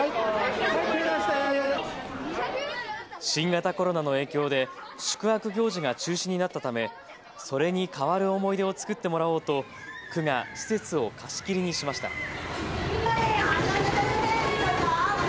新型コロナの影響で宿泊行事が中止になったためそれに代わる思い出を作ってもらおうと区が施設を貸し切りにしました。